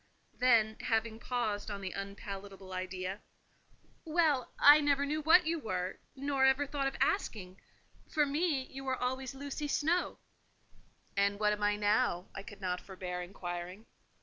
Then, having paused on the unpalatable idea, "Well, I never knew what you were, nor ever thought of asking: for me, you were always Lucy Snowe." "And what am I now?" I could not forbear inquiring.